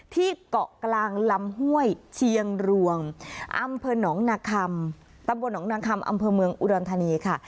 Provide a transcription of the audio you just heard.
ที่เกาะกลางลำห้วยเชียงรวงอำเภอหนองนาคำตำบลหนองนางคำอำเภอเมืองอุดรธานีค่ะ